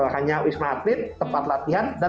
hanya termatik tempat latihan dan